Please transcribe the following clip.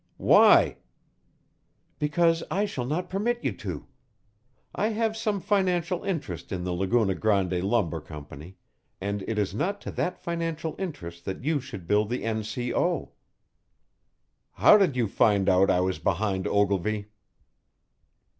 "Why?" "Because I shall not permit you to. I have some financial interest in the Laguna Grande Lumber Company, and it is not to that financial interest that you should build the N.C.O." "How did you find out I was behind Ogilvy?"